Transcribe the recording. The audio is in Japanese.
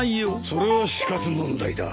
それは死活問題だ。